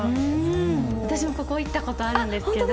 私もここ行ったことあるんですけど。